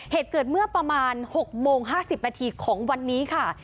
เหตุเกิดเมื่อประมาณ๖โมง๕๐นาทีของวันนี้ค่ะ